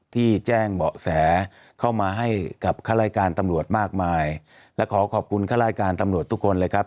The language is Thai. ที่แจ้งเบาะแสเข้ามาให้กับข้ารายการตำรวจมากมายและขอขอบคุณข้ารายการตำรวจทุกคนเลยครับ